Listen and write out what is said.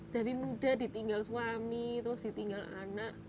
dari muda ditinggal suami terus ditinggal anak